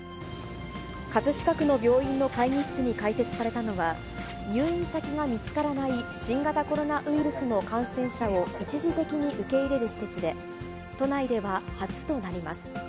葛飾区の病院の会議室に開設されたのは、入院先が見つからない、新型コロナウイルスの感染者を一時的に受け入れる施設で、都内では初となります。